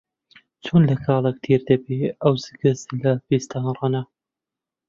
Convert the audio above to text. چۆن لە کاڵەک تێر دەبێ ئەو زگ زلە بێستان ڕنە؟